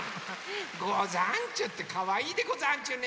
ござんちゅってかわいいでござんちゅね。